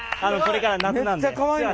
これから夏なんで素足で。